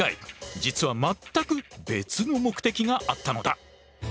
実は全く別の目的があったのだ。